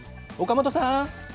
岡本さん。